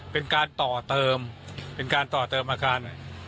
เป็นการต่อเติมเป็นการต่อเติมอาการหน่อย